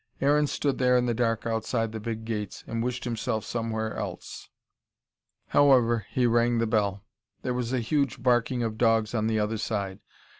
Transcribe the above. Aaron stood there in the dark outside the big gates, and wished himself somewhere else. However, he rang the bell. There was a huge barking of dogs on the other side.